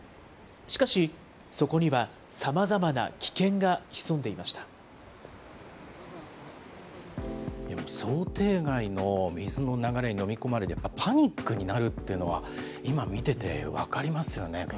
しかし、そこにはさまざまな危険想定外の水の流れに飲み込まれて、パニックになるというのは、今見てて、分かりますよね。